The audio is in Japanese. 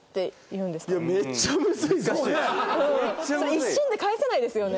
一瞬で返せないですよね。